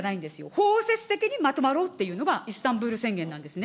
包摂的にまとまろうというのが、イスタンブール宣言なんですね。